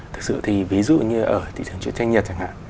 thực sự thì ví dụ như ở thị trường truyền tranh nhật chẳng hạn